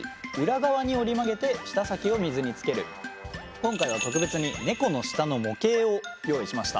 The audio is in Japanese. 今回は特別にネコの舌の模型を用意しました。